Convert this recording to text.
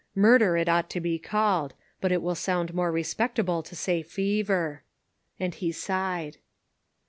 Murder, it ought to be called ; but it will sound more respectable to say fever." And he sighed.